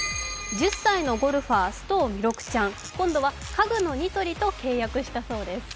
１０歳のゴルファー、須藤弥勒ちゃん今度は家具のニトリと契約したそうです。